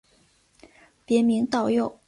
别名道佑。